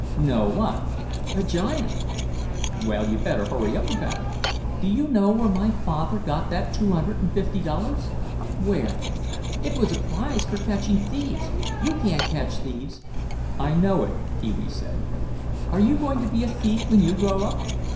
"No; what?" "A giant." "Well, you'd better hurry up about it." "Do you know where my father got that two hundred and fifty dollars?" "Where?" "It was a prize for catching thieves. You can't catch thieves." "I know it," Pee wee said. "Are you going to be a thief when you grow up?"